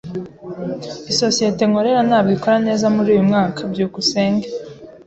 Isosiyete nkorera ntabwo ikora neza muri uyu mwaka. byukusenge